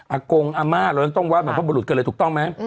อากงอาม่าเรายังต้องว่าเหมือนพระบุรุษเกินเลยถูกต้องไหม